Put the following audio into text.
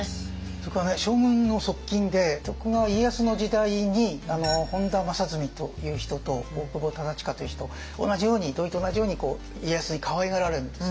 それからね将軍の側近で徳川家康の時代に本多正純という人と大久保忠隣という人同じように土井と同じように家康にかわいがられるんですね。